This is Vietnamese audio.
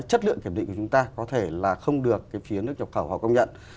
chất lượng kiểm định của chúng ta có thể là không được phía nước nhập khẩu họ công nhận